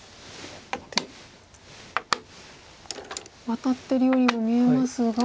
ワタってるようにも見えますが。